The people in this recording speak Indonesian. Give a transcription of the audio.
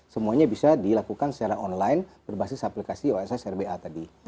semuanya bisa dilakukan secara online berbasis aplikasi oss rba tadi